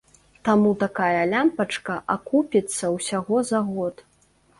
Таму такая лямпачка акупіцца ўсяго за год.